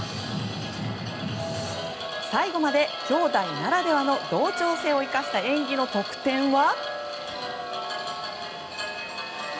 最後まで姉弟ならではの同調性を生かした演技の得点は８８．９。